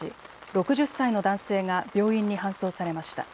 ６０歳の男性が病院に搬送されました。